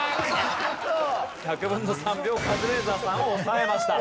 １００分の３秒カズレーザーさんを抑えました。